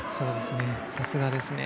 さすがですね。